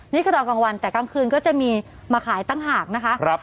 นี่ก็ตอนกลางวันแต่กลางคืนก็จะมีมาขายตั้งหากนะคะ